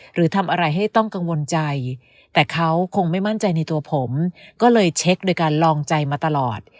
หรือทำอะไรให้ต้องกังวลใจแต่เขาคงไม่มั่นใจในตัวผมก็เลยเช็คโดยการลองใจมาตลอด